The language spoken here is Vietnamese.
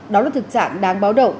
đó là thực trạng đáng báo động